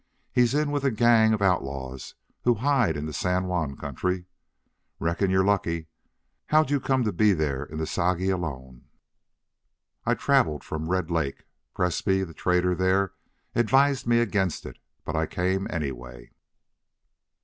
He's in with a gang of outlaws who hide in the San Juan country.... Reckon you're lucky. How'd you come to be there in the Sagi alone?" "I traveled from Red Lake. Presbrey, the trader there, advised against it, but I came anyway."